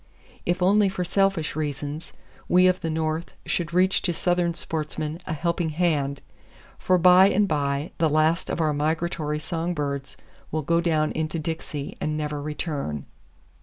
If only for selfish reasons, we of the North should reach to southern sportsmen a helping hand, for by and by the last of our migratory song birds will go down into Dixie and never return.